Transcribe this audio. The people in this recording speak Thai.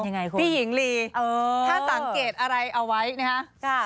ยังไงคุณพี่หญิงลีเออถ้าสังเกตอะไรเอาไว้นะฮะ